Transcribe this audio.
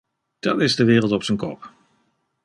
Dat is de wereld op zijn kop.